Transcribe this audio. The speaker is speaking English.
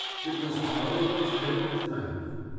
It was Paolo's day of triumph.